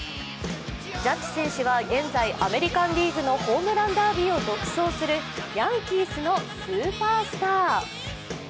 ジャッジ選手は現在、アメリカンリーグのホームランダービーを独走するヤンキースのスーパースター。